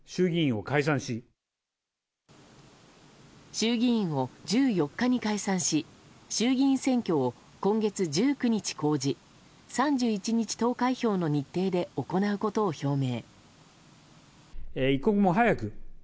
衆議院を１４日に解散し衆議院選挙を今月１９日公示３１日投開票の日程で行うことを表明。